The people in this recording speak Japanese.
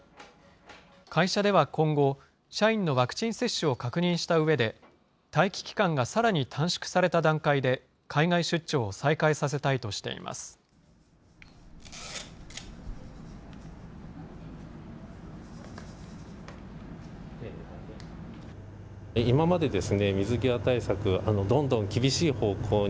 会社では今後、社員のワクチン接種を確認したうえで、待機期間がさらに短縮された段階で、海外出張を再開させたいとしています。